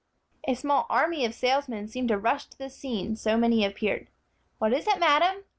A small army of salesmen seemed to rush to the scene, so many appeared. "What is it, madam?"